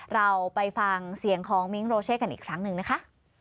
เราไปฟังเสียงของมิ้งโรเช่กันอีกครั้งหนึ่งนะคะ